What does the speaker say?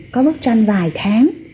có bức tranh vài tháng